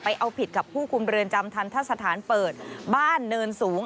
เอาผิดกับผู้คุมเรือนจำทันทะสถานเปิดบ้านเนินสูง